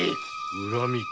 恨みか。